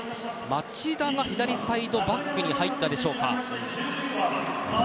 町田が左サイドバックに入ったでしょうか。